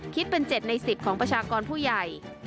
คิดเป็น๗ใน๑๐ของประชากรผู้ใหญ่